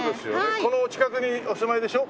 このお近くにお住まいでしょ？